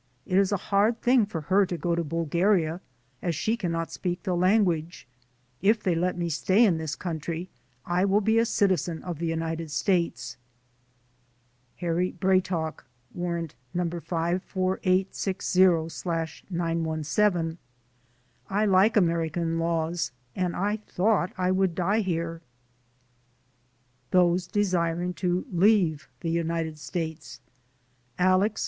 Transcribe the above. It is a hard thing for her to go to Bulgaria, as she cannot speak the language. If they let me stay in this country I will be a citizen of the United States." Harry Bratok (Warrant No. 54860/917) : "I like American laws and I thought I would die here." B. Those Desiring to Leave the United States Alex.